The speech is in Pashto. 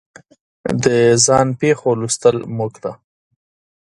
د ځان پېښو لوستل موږ ته